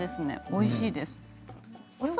おいしいです。